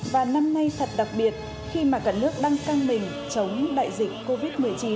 và năm nay thật đặc biệt khi mà cả nước đang căng mình chống đại dịch covid một mươi chín